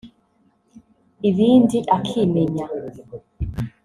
ibindi akimenya